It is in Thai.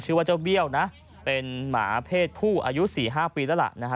ชื่อว่าเจ้าเบี้ยวนะเป็นหมาเพศผู้อายุ๔๕ปีแล้วล่ะนะฮะ